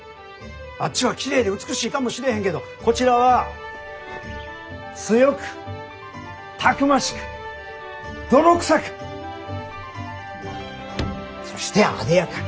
あっちはきれいで美しいかもしれへんけどこちらは「強く逞しく泥臭く」そして「艶やかに」。